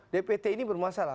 dpt ini bermasalah